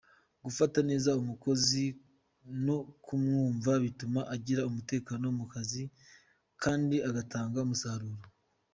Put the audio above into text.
Gufata neza umukozi no kumwumva bituma agira umutekano mu kazi kandi agatanga umusaruro.